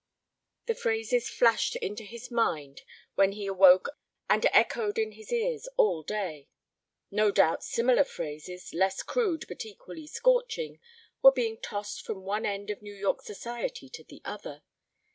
The phrases flashed into his mind when he awoke and echoed in his ears all day. No doubt similar phrases, less crude, but equally scorching, were being tossed from one end of New York Society to the other.